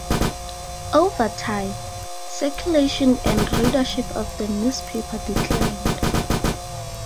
Over time, circulation and readership of the newspaper declined.